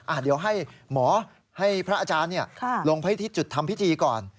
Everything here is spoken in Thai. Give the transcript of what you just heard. เดี๋ยวให้หมอให้พระอาจารย์ลงไปที่จุดทำพิธีก่อน